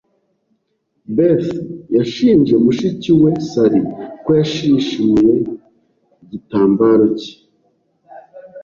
Beth yashinje mushiki we Sally ko yashishimuye igitambaro cye.